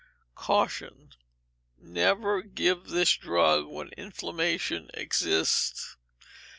Caution. Never give this drug when inflammation exists.